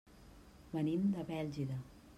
Venim de Bèlgida.